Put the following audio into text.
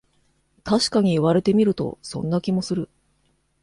たしかに言われてみると、そんな気もする